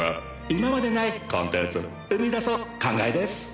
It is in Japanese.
今までないコンテンツを生み出そう考えです。